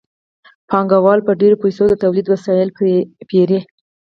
پانګوال په ډېرو پیسو د تولید وسایل پېري